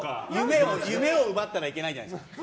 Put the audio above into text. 夢を奪ったらいけないじゃないですか。